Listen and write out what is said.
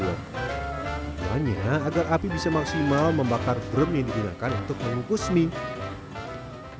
hanya agar api bisa maksimal membakar drum yang digunakan untuk mengukus mie